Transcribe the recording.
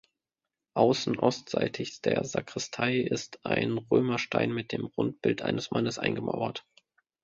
Außen ostseitig der Sakristei ist ein Römerstein mit dem Rundbild eines Mannes eingemauert.